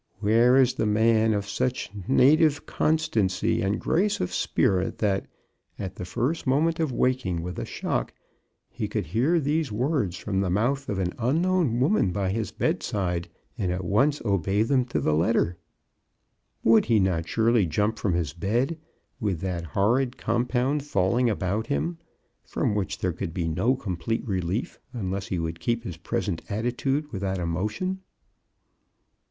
Where is the man of such 26 CHRISTMAS AT THOMPSON HALL. native constancy and grace of spirit that, at the first moment of waking with a shock, he could hear these words from the mouth of an un known woman by his bedside, and at once obey them to the letter? Would he not surely jump from his bed, with that horrid compound falling about him — from which there could be no complete relief unless he would keep his pres ent attitude without a motion.